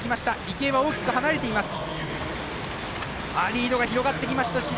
池江は大きく離れています。